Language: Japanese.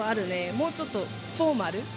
もうちょっとフォーマル？